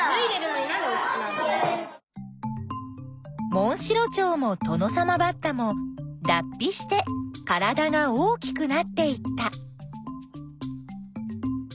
モンシロチョウもトノサマバッタもだっ皮して体が大きくなっていった。